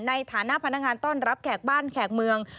ในฐานะพนักงานต้อนรับแขกบ้านแขกเมือง